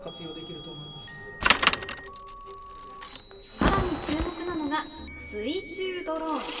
さらに注目なのが水中ドローン。